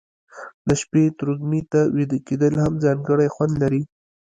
د شپې تروږمي ته ویده کېدل هم ځانګړی خوند لري.